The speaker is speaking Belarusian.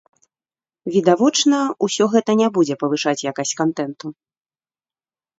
Відавочна, усё гэта не будзе павышаць якасць кантэнту.